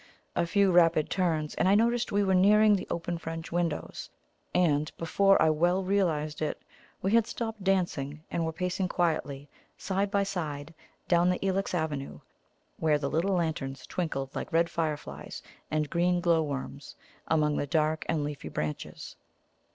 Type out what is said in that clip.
A few rapid turns, and I noticed we were nearing the open French windows, and, before I well realized it, we had stopped dancing and were pacing quietly side by side down the ilex avenue, where the little lanterns twinkled like red fireflies and green glow worms among the dark and leafy branches.